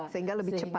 sehingga lebih cepat